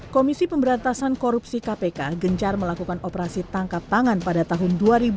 komisi pemberantasan korupsi kpk gencar melakukan operasi tangkap tangan pada tahun dua ribu dua puluh